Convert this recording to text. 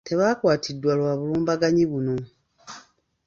Tebaakwatiddwa lwa bulumbaganyi buno.